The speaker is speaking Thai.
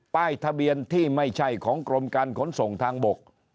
ป้ายทะเบียนที่ไม่ใช่ของกรมการขนส่งทางบก